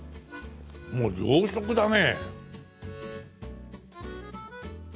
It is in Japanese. もう洋食だね！